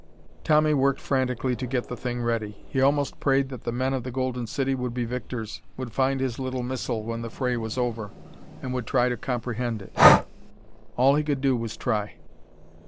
Tommy worked frantically to get the thing ready. He almost prayed that the men of the Golden City would be victors, would find his little missile when the fray was over, and would try to comprehend it.... All he could do was try.